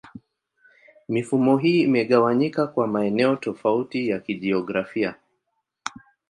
Mifumo hii imegawanyika kwa maeneo tofauti ya kijiografia.